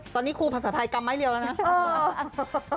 ตอนนี้คู่ภาษาไทยกรรมไม่เลี่ยวนะ